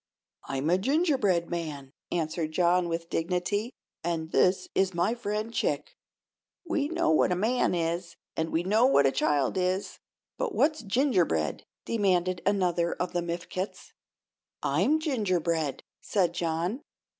"I'm a gingerbread man," answered John, with dignity; "and this is my friend Chick." "We know what a man is; and we know what a child is; but what's gingerbread?" demanded another of the Mifkets. "I'm gingerbread," said John.